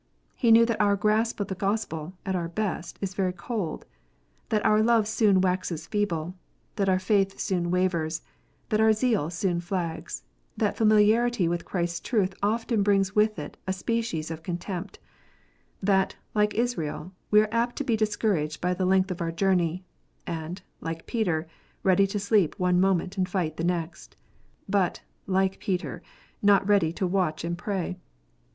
He knew that our grasp of the Gospel, at our best, is very cold, that our love soon waxes feeble, that our faith soon wavers, that our zeal soon flags, that familiarity with Christ s truth often brings with it a species of contempt, that, like Israel, we are apt to be discouraged by the length of our journey, and, like Peter, ready to sleep one moment and fight the next, but, like Peter, not ready to " watch and pray."